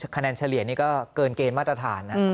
เฉลี่ยนี่ก็เกินเกณฑ์มาตรฐานนะ